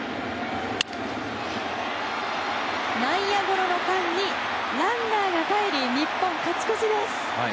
内野ゴロの間にランナーがかえり日本、勝ち越しです。